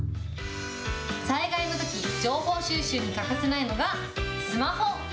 災害のとき、情報収集に欠かせないのがスマホ。